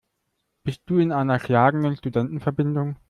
Bist du in einer schlagenden Studentenverbindung?